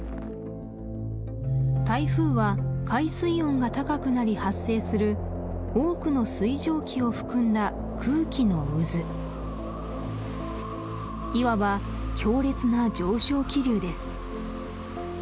台風は海水温が高くなり発生する多くの水蒸気を含んだ空気の渦いわば強烈な上昇気流です